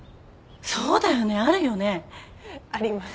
そうだよねあるよね。あります。